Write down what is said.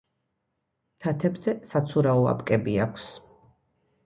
თათებზე საცურაო აპკები აქვს.